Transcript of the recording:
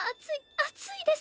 熱いです。